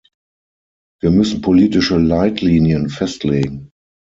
Wir müssen politische Leitlinien festlegen.